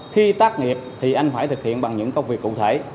khi tác nghiệp thì anh phải thực hiện bằng những công việc cụ thể